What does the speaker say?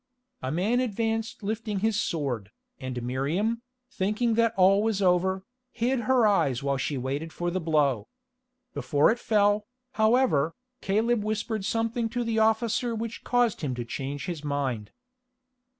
A man advanced lifting his sword, and Miriam, thinking that all was over, hid her eyes while she waited for the blow. Before it fell, however, Caleb whispered something to the officer which caused him to change his mind.